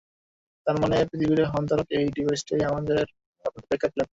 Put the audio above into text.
তার মানে পৃথিবীর হন্তারক এই ডিভাইসটাই আপনাদের ব্যাকআপ প্ল্যান?